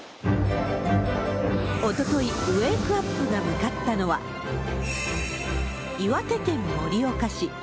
おととい、ウェークアップが向かったのは、岩手県盛岡市。